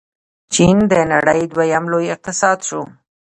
چین د نړۍ دویم لوی اقتصاد شو.